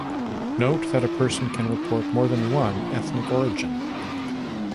Note that a person can report more than one ethnic origin.